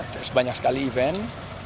terus banyak sekali event